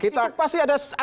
itu pasti ada lemahnya ya pak